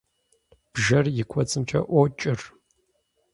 Бжэр и кӏуэцӏымкӏэ ӏуокӏыр.